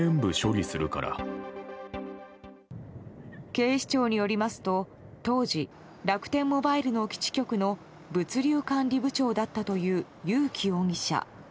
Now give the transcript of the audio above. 警視庁によりますと当時、楽天モバイルの基地局の物流管理部長だったという友紀容疑者。